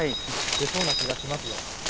出そうな気がしますよ。